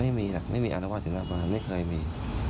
ไม่มีแหละไม่มีอารวาสถึงหน้าบ้านไม่เคยมี